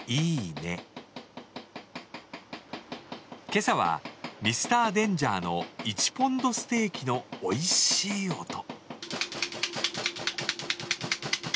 今朝はミスターデンジャーの１ポンドステーキのおいしい音。